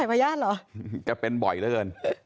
ก็เป็นบ่อยแล้วเกิน